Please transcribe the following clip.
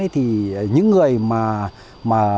thì những người mà